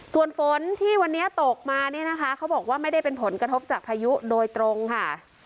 ส่วนฝนที่วันนี้ตกมาเนี่ยนะคะเขาบอกว่าไม่ได้เป็นผลกระทบจากพายุโดยตรงค่ะ